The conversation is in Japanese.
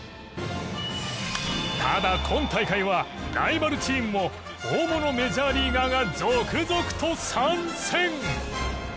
ただ今大会はライバルチームも大物メジャーリーガーが続々と参戦！